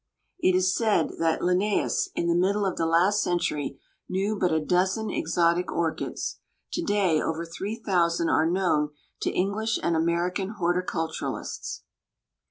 It is said that "Linnæus, in the middle of the last century, knew but a dozen exotic orchids." To day over three thousand are known to English and American horticulturists.